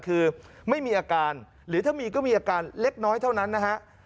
คือไม่มีอาการหรือถ้ามีก็มีอาการเล็กน้อยเท่านั้นนะฮะ